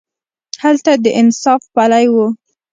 هغه د انصاف پلوی و.